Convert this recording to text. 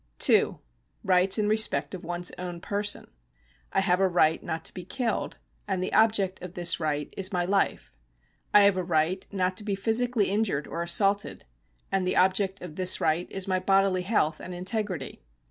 (2) Rights in respect of one's own person.— I have a right not to be killed, and the object of this right is my life. I have a right not to be physically injured or assaulted, and the object of this right is my bodily health and integrity.